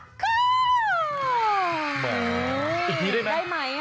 อีกทีได้ไหม